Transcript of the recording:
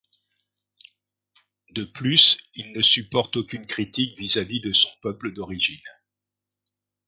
De plus il ne supporte aucune critique vis-à-vis de son peuple d'origine.